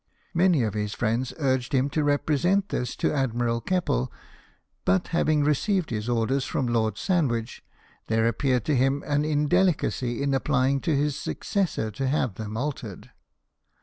Many of his friends urged him to represent this to Admiral Keppel ; but, having received his orders from Lord Sandwich, there appeared to him an indelicacy in applying to his successor to have them altered.